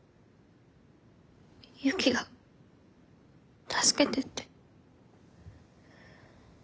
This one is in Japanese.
ユキが助けてって。